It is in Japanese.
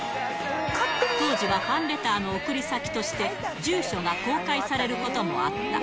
当時はファンレターの送り先として住所が公開されることもあった。